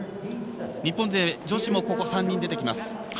日本勢女子も最近出てきます。